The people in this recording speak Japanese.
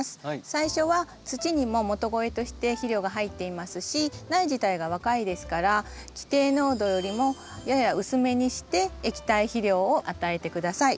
最初は土にも元肥として肥料が入っていますし苗自体が若いですから規定濃度よりもやや薄めにして液体肥料を与えて下さい。